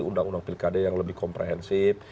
undang undang pilkada yang lebih komprehensif